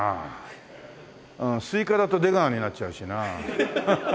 スイカだと出川になっちゃうしな。